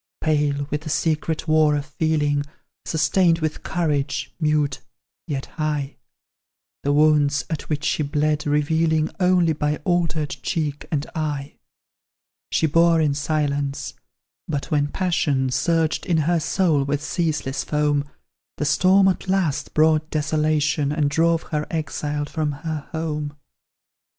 Pale with the secret war of feeling, Sustained with courage, mute, yet high; The wounds at which she bled, revealing Only by altered cheek and eye; She bore in silence but when passion Surged in her soul with ceaseless foam, The storm at last brought desolation, And drove her exiled from her home.